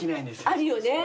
あるよね。